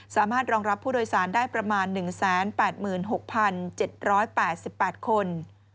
สามารถรองรับผู้โดยสารได้ประมาณ๑๘๖๗๘๘คน